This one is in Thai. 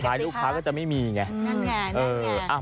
สุดท้ายลูกค้าก็จะไม่มีไง